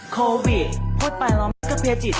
โควิดพูดไปแล้วมันก็เพจิต